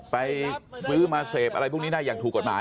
ไปซื้อมาเสพอะไรพวกนี้ได้อย่างถูกกฎหมาย